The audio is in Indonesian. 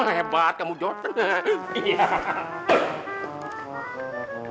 hebat kamu jateng